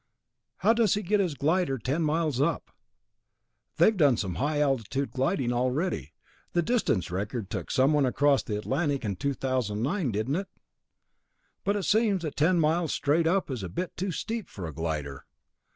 How does he get his glider ten miles up? They've done some high altitude gliding already. The distance record took someone across the Atlantic in 2009, didn't it? But it seems that ten miles straight up is a bit too steep for a glider.